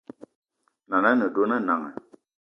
Nan’na a ne dona Nanga